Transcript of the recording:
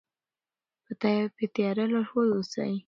په تیاره کې لارښود اوسئ.